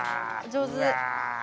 上手！